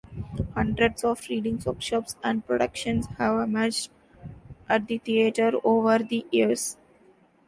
Hundreds of readings, workshops, and productions have emerged at the theater over the years.